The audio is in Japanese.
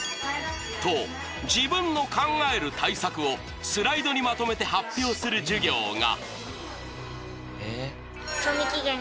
と自分の考える対策をスライドにまとめて発表する授業が！